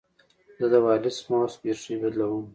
زه د وایرلیس ماؤس بیټرۍ بدلوم.